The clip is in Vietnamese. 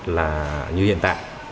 là như hiện tại